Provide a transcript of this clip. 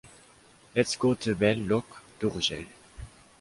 Let’s go to Bell-lloc d'Urgell.